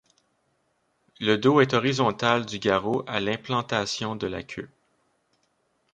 Le dos est horizontal du garrot à l'implantation de la queue.